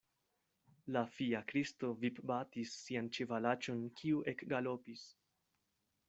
La fiakristo vipbatis sian ĉevalaĉon, kiu ekgalopis.